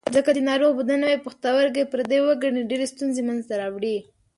ځکه که د ناروغ بدن نوی پښتورګی پردی وګڼي ډېرې ستونزې منځ ته راوړي.